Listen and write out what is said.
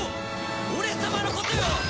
俺様のことよ！